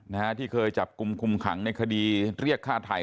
นะฮะที่เคยจับกลุ่มคุมขังในคดีเรียกฆ่าไทย